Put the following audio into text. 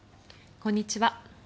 こんにちは。